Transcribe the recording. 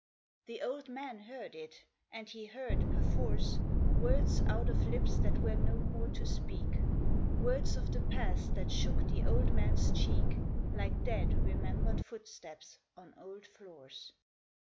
The old man heard it; and he heard, perforce, Words out of lips that were no more to speak Words of the past that shook the old man's cheek Like dead, remembered footsteps on old floors.